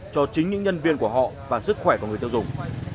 cho chính những nhân viên của họ và sức khỏe của người tiêu dùng